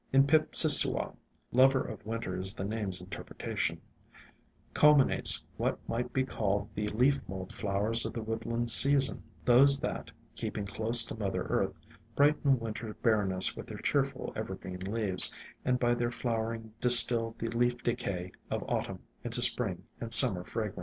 In Pipsissewa (lover of winter is the name's in terpretation) culminates what might be called the leaf mold flowers of the woodland season; those that, keeping close to Mother Earth, brighten winter bareness with their cheerful evergreen leaves, and by their flowering distil the leaf decay of Autumn into Spring and Summer fragrance.